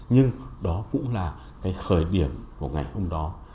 nhưng đó cũng là cái khởi điểm của ngày hôm đó